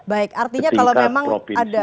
baik artinya kalau memang ada